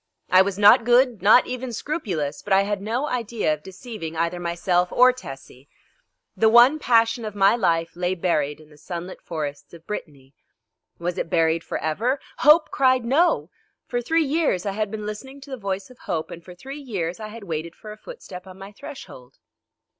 I was not good, not even scrupulous, but I had no idea of deceiving either myself or Tessie. The one passion of my life lay buried in the sunlit forests of Brittany. Was it buried for ever? Hope cried "No!" For three years I had been listening to the voice of Hope, and for three years I had waited for a footstep on my threshold.